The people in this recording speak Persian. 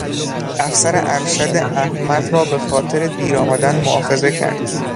افسر ارشد احمد را به خاطر دیر آمدن مواخذه کرد.